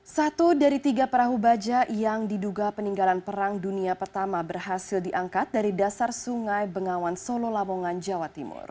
satu dari tiga perahu baja yang diduga peninggalan perang dunia pertama berhasil diangkat dari dasar sungai bengawan solo lamongan jawa timur